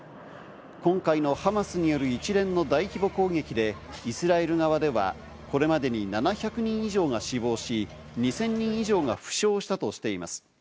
今回のハマスによる一連の大規模攻撃でイスラエル側ではこれまでに７００人以上が死亡し、２０００人以上が負傷したとしています。